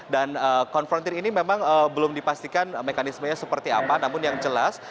dan konfrontir ini memang belum dipastikan mekanismenya seperti apa namun yang jelas